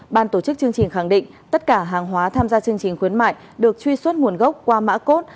ban tổ chức chương trình khẳng định tất cả hàng hóa tham gia chương trình khuyến mại được truy xuất nguồn gốc qua mã cốt